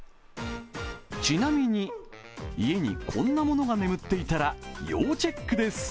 ちなみに、家にこんなものが眠っていたら要チェックです。